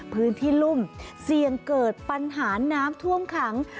พื้นที่รุ่มเสี่ยงเกิดปัญหาน้ำท่วมขัง